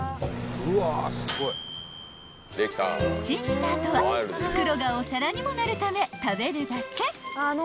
［チンした後は袋がお皿にもなるため食べるだけ］